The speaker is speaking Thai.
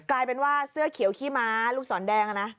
กลายเป็นว่าเสื้อเขียวขี้ม้าลูกศรแดงนะ